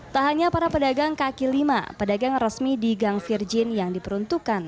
tak hanya para pedagang kaki lima pedagang resmi di gang virgin yang diperuntukkan